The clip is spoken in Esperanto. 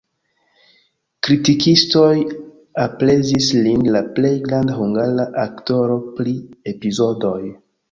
Kritikistoj aprezis lin la plej granda hungara aktoro pri epizodoj.